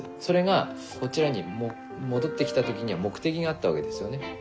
それがこちらに戻ってきた時には目的があったわけですよね。